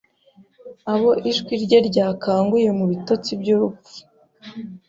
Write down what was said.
Abo ijwi rye ryakanguye mu bitotsi by'urupfu